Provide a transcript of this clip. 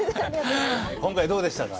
今回どうでしたか？